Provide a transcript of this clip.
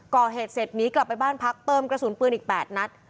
ก่อเหตุเสร็จหนีกลับไปบ้านพักเติมกระสุนปืนอีก๘นัด